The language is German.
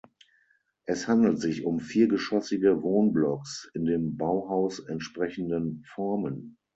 Es handelt sich um viergeschossige Wohnblocks in dem Bauhaus entsprechenden Formen.